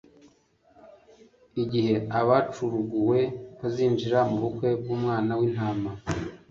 igihe abacuruguwe bazinjira mu bukwe bw'Umwana w'intama.